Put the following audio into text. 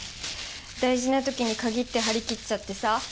大事なときにかぎって張り切っちゃってさ。